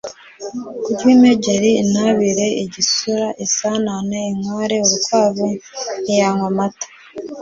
Kurya imegeri, intyabire, igisura, isanane, inkware, urukwavu, ntiyanywa amata